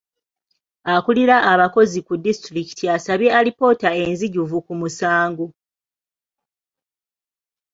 Akulira abakozi ku disitulikiti yasabye alipoota enzijuvu ku musango.